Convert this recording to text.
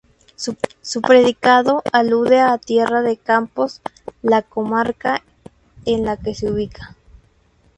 Su predicado alude a Tierra de Campos, la comarca en la que se ubica.